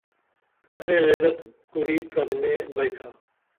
کھرے غیرت کُری ٹرک نیں بھئتھا